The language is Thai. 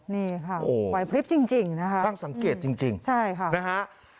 นี่ค่ะไว้พลิกจริงนะครับทั้งสังเกตจริงใช่ค่ะนะฮะ